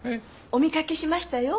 お見かけしましたよ。